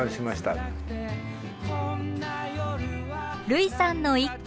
類さんの一句。